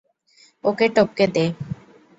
ওকে টপকে দে।